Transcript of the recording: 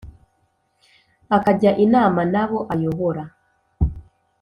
akajya inama n’abo ayobora,